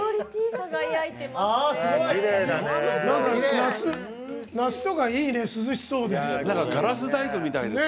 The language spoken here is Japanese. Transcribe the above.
夏とかいいね、涼しそうで。